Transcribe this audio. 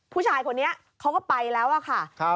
ผู้ชายคนนี้เขาก็ไปแล้วอะค่ะ